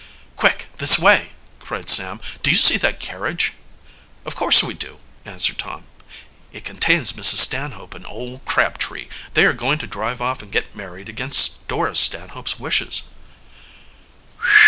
"Quick, this way!" cried Sam. "Do you see that carriage?" "Of course we do," answered Tom. "It contains Mrs. Stanhope and old Crabtree. They are going to drive off and get married against Dora Stanhope's wishes."